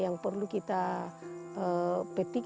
jiormbir bahwa tak ada mata lagi